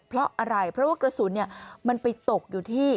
เพราะอะไรเพราะว่ากระสุนมันไปตกอยู่ที่